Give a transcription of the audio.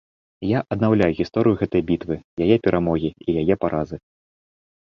Я аднаўляю гісторыю гэтай бітвы, яе перамогі і яе паразы.